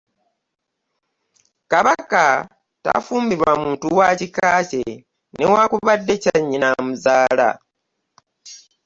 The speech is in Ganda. Kabaka tafumbirwa muntu wa kika kye newankubadde ekya nnyina amuzaala.